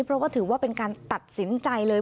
เพราะว่าถือว่าเป็นการตัดสินใจเลย